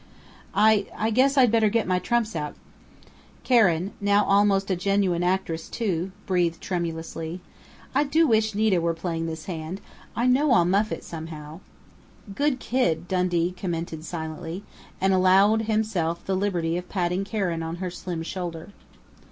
"I I guess I'd better get my trumps out," Karen now almost a genuine actress, too breathed tremulously. "I do wish Nita were playing this hand. I know I'll muff it somehow " "Good kid!" Dundee commented silently, and allowed himself the liberty of patting Karen on her slim shoulder.